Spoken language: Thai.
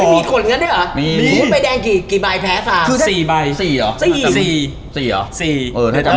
ไม่มีคนงั้นเองเหรอหัวไม้ดูแบบไหนแพ้เฝ้า